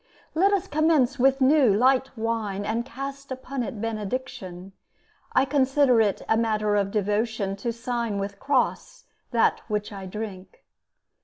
Let us commence with new, light wine, And cast upon it benediction; I consider it a matter of devotion To sign with cross that which I drink.